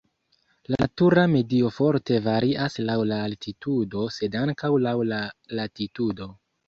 La natura medio forte varias laŭ la altitudo sed ankaŭ laŭ la latitudo.